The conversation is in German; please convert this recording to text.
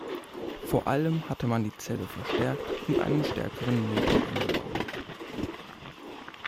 Vor allem hatte man die Zelle verstärkt und einen stärkeren Motor eingebaut.